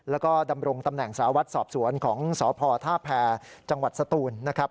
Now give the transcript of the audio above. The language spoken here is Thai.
แล้วก็ดำรงตำแหน่งสารวัตรสอบสวนของสพท่าแพรจังหวัดสตูนนะครับ